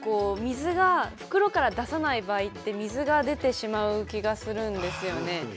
袋から出さない場合って水が出てしまう気がするんですよね。